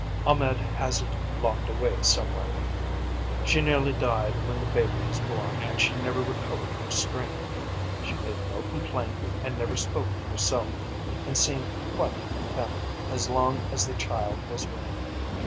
Ahmed has it locked away somewhere. She nearly died when the baby was born, and she never recovered her strength. She made no complaint and never spoke of herself, and seemed quite content as long as the child was with her.